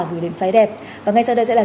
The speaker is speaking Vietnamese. gửi đến phái đẹp và ngay sau đây sẽ là